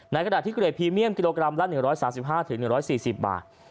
ณิดกันอาทิตย์เกรดพรีเมี่ยมกิโลกรัมละ๑๓๕๑๔๐บาท